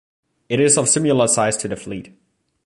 It is of similar size to the Fleet.